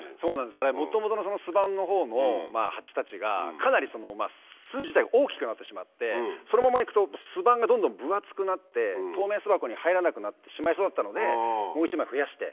元々の巣板の方のハチたちがかなり巣自体が大きくなってしまってそのままいくと巣板がどんどん分厚くなって透明巣箱に入らなくなってしまいそうだったのでもう１枚増やして